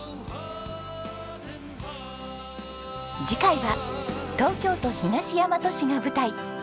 次回は東京都東大和市が舞台。